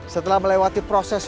setelah melewati proses